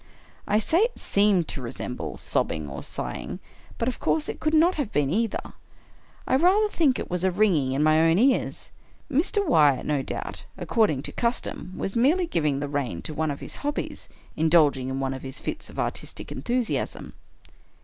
I say it seemed to resemble sobbing or sigh ing — but, of course, it could not have been either. I rather 119 American Mystery Stories think it was a ringing in my own ears. Mr. Wyatt, no doubt, according to custom, was merely giving the rein to one of his hobbies — indulging in one of his fits of artistic enthusiasm.